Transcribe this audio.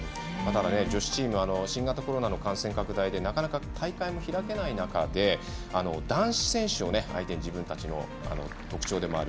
女子チームは新型コロナの感染拡大でなかなか大会も開けない中男子選手を相手に自分たちの特徴でもある